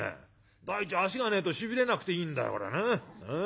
第一足がねえとしびれなくていいんだからね。ええ」。